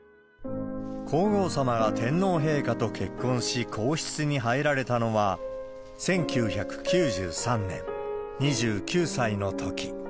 皇后さまが天皇陛下と結婚し、皇室に入られたのは、１９９３年、２９歳のとき。